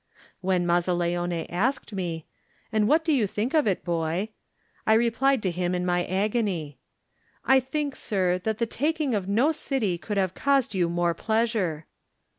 When Mazzaleone asked me, "And what do you think of it, boy?" I replied to him in my agony: "I think, sir, that the taking of no city could have caused you more pleasure."